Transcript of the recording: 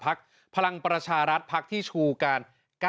อันนี้จะต้องจับเบอร์เพื่อที่จะแข่งกันแล้วคุณละครับ